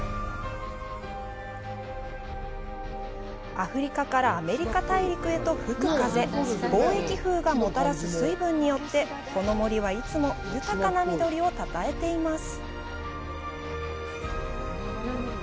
アフリカからアメリカ大陸へと吹く風、貿易風がもたらす水分によって、この森はいつも豊かな緑をたたえています。